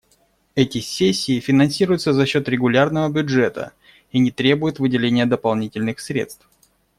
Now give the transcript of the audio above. Эти сессии финансируются за счет регулярного бюджета и не требуют выделения дополнительных средств.